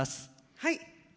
はい。